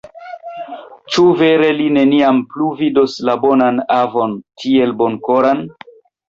Ĉu vere li neniam plu vidos la bonan avon, tiel bonkoran?